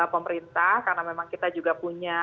pemerintah karena memang kita juga punya